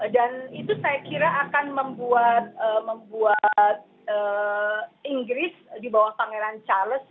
dan itu saya kira akan membuat inggris di bawah pangeran charles